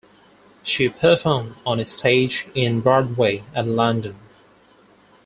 She performed on stage in Broadway and London.